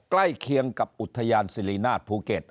ใกล้เคียงกับอุทยานสิรินาทภูเก็ต